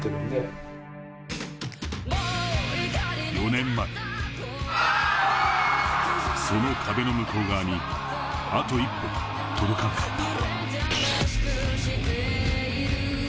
４年前、その壁の向こう側にあと一歩届かなかった。